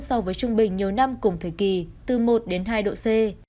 so với trung bình nhiều năm cùng thời kỳ từ một đến hai độ c